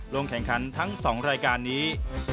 ลงแข่งขันทั้ง๒รายการนี้